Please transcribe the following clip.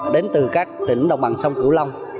đến từ các tỉnh đồng bằng sông cửu long